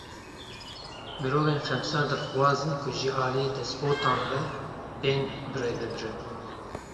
Mirovên xemsar dilxwaz in ku jî aliyê despotan ve bên birêvebirin.